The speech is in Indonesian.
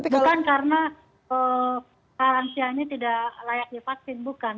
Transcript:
bukan karena para lansia ini tidak layaknya vaksin bukan